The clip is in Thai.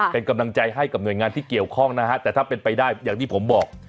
เป็นกำลังใจให้กับหน่วยงานที่เกี่ยวข้องนะฮะแต่ถ้าเป็นไปได้อย่างที่ผมบอก